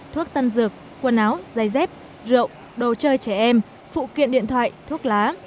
thuốc tân dược quần áo giày dép rượu đồ chơi trẻ em phụ kiện điện thoại thuốc lá